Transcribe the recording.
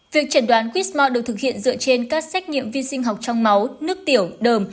việc chẩn đoán quýt mò được thực hiện dựa trên các xét nghiệm viên sinh học trong máu nước tiểu đờm